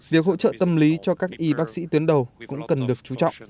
việc hỗ trợ tâm lý cho các y bác sĩ tuyến đầu cũng cần được chú trọng